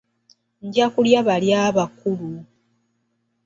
Nja kulya bali abakulu